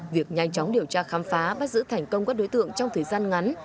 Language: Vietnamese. việc nhanh chóng điều tra khám phá bắt giữ thành công các đối tượng trong thời gian ngắn